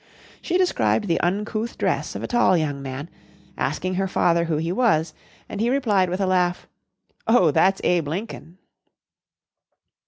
She described the uncouth dress of a tall young man, asking her father who he was, and he replied with a laugh, "Oh, that's Abe Lincoln."